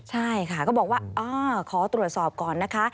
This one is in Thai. ใช่ค่ะก็บอกว่าขอตรวจสอบก่อนนะคะ